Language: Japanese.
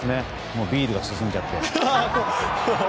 もうビールが進んじゃって。